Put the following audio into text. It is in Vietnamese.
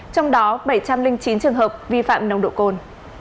trong đó bảy trăm linh chín trường hợp vi phạm nồng độ cồn